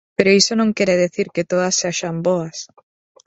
Pero iso non quere dicir que todas sexan boas.